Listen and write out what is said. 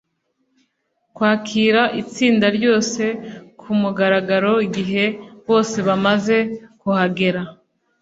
kwakira itsinda ryose ku mugaragaro igihe bose bamaze kuhagera